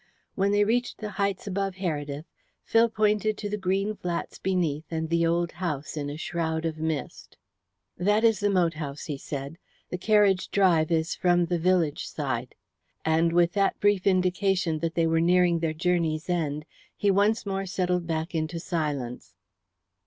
When they reached the heights above Heredith, Phil pointed to the green flats beneath and the old house in a shroud of mist. "That is the moat house," he said. "The carriage drive is from the village side." And with that brief indication that they were nearing their journey's end he once more settled back into silence.